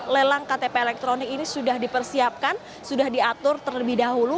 lelang ktp elektronik ini sudah dipersiapkan sudah diatur terlebih dahulu